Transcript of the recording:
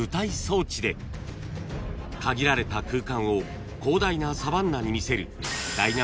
［限られた空間を広大なサバンナに見せる］